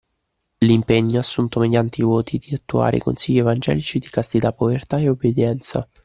L'impegno, assunto mediante i voti, di attuare i consigli evangelici di castità, povertà e obbedienza